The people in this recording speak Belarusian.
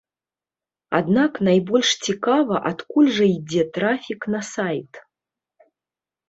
Аднак найбольш цікава, адкуль жа ідзе трафік на сайт.